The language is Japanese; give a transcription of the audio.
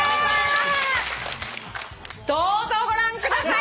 どうぞご覧ください。